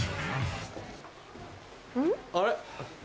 あれ？